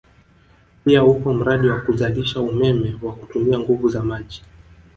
Pia upo mradi wa kuzalisha umeme wa kutumia nguvu za maji